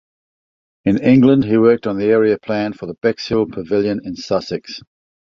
In England he worked on the area plan for the Bexhill Pavilion in Sussex.